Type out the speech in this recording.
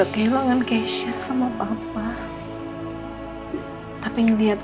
tuhan ku cinta dia